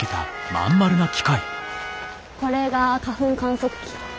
これが花粉観測器。